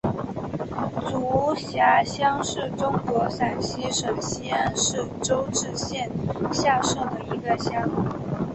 竹峪乡是中国陕西省西安市周至县下辖的一个乡。